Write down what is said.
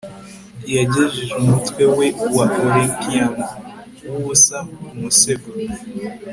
Yagejeje umutwe we wa Olympian wubusa ku musego